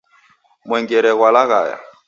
Mwengere ghwalaghaya.